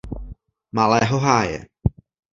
Malého háje.